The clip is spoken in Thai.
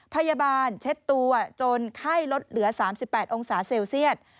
เช็ดตัวจนไข้ลดเหลือ๓๘องศาเซลเซียต